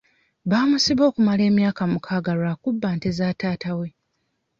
Baamusiba okumala emyaka mukaaga lwa kubba nte za taata we.